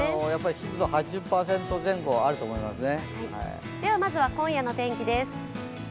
湿度８０％前後あると思いますね。